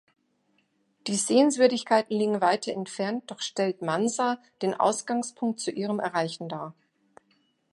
Die Sehenswürdigkeiten liegen weiter entfernt, doch stellt Mansa den Ausgangspunkt zu ihrem Erreichen dar.